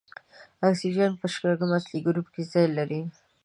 اکسیجن په شپږم اصلي ګروپ کې ځای لري.